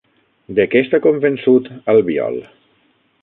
De què està convençut Albiol?